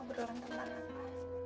obrolan tentang apa